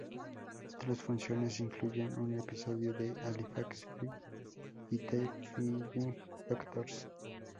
Otras funciones incluyen un episodio de "Halifax fp" y "The Flying Doctors".